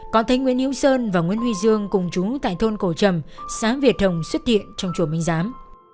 có thấy nguyễn hiếu sơn và nguyễn huy dương cùng chúng tại thôn cổ trầm xã việt hồng xuất hiện trong chùa minh giám